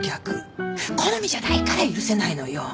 好みじゃないから許せないのよ。